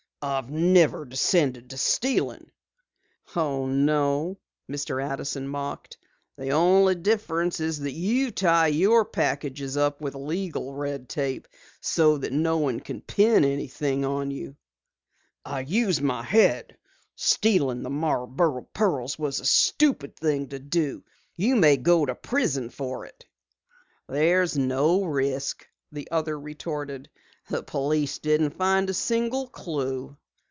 "I've never descended to stealing!" "No?" Mr. Addison mocked. "The only difference is that you tie your packages up with legal red tape so that no one can pin anything on you." "I use my head! Stealing the Marborough pearls was a stupid thing to do. You may go to prison for it." "There's no risk," the other retorted. "The police didn't find a single clue."